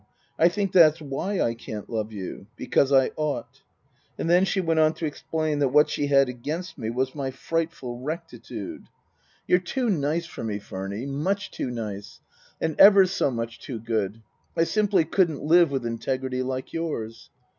I think that's why I can't love you because I ought." And then she went on to explain that what she had against me was my frightful rectitude. Book I : My Book 49 " You're too nice for me, Furny, much too nice. And ever so much too good. I simply couldn't live with integrity like yours."